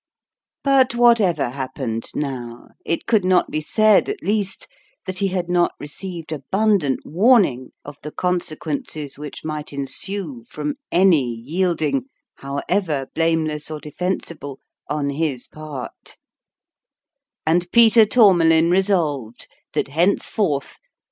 But whatever happened now, it could not be said, at least, that he had not received abun dant warning of the consequences which might ensue from any yielding, however blameless or defensible, on his part.